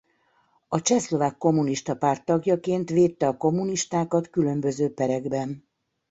A Csehszlovák Kommunista Párt tagjaként védte a kommunistákat különböző perekben.